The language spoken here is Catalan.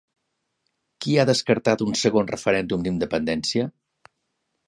Qui ha descartat un segon referèndum d'independència?